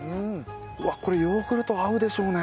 うわっこれヨーグルト合うでしょうね。